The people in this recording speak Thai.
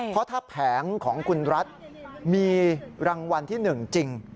เพราะถ้าแผงของคุณรัฐมีรางวัลที่๑จริง